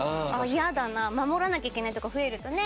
嫌だな守らなきゃいけないとこ増えるとね。